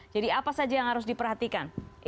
apa saja yang harus diperhatikan